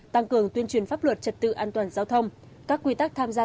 tăng cường tuyên truyền pháp luật trật tự an toàn giao thông các quy tắc tham gia